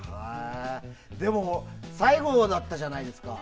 でも、最後だったじゃないですか。